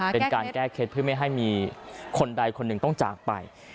เป็นการแก้เคล็ดเพื่อไม่ให้มีคนใดคนหนึ่งต้องจากไป